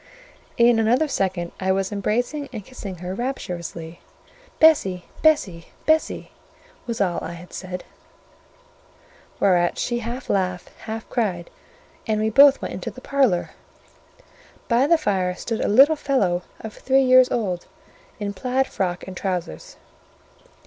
In another second I was embracing and kissing her rapturously: "Bessie! Bessie! Bessie!" that was all I said; whereat she half laughed, half cried, and we both went into the parlour. By the fire stood a little fellow of three years old, in plaid frock and trousers.